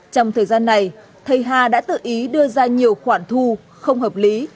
trong thời gian này thầy hà đã tự ý đưa ra nhiều khoản thu không hợp lý